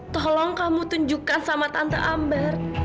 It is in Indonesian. tolong kamu tunjukkan sama tante ambar